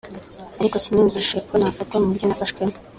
ariko siniyumvishe ko nafatwa mu buryo nafashwemo